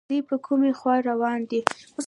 دوی په کومې خوا روان دي